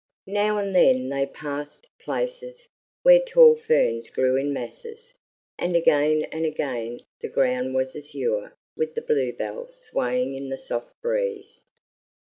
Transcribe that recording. Now and then they passed places where tall ferns grew in masses, and again and again the ground was azure with the bluebells swaying in the soft breeze.